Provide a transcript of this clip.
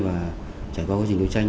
và trải qua quá trình đấu tranh